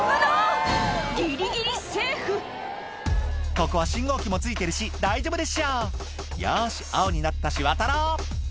「ここは信号機もついてるし大丈夫でしょ」「よし青になったし渡ろう」